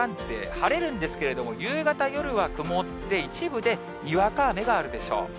晴れるんですけれども、夕方、夜は曇って、一部でにわか雨があるでしょう。